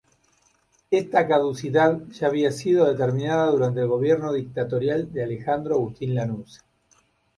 Esta caducidad, ya había sido determinada durante el gobierno dictatorial de Alejandro Agustín Lanusse.